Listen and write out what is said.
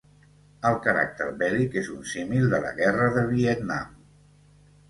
El caràcter bèl·lic és un símil de la Guerra de Vietnam.